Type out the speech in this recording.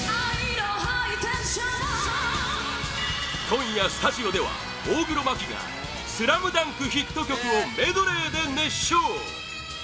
今夜、スタジオでは大黒摩季が「ＳＬＡＭＤＵＮＫ」ヒット曲をメドレーで熱唱！